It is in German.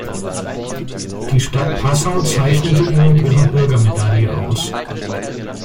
Die Stadt Passau zeichnete ihn mit ihrer Bürgermedaille aus.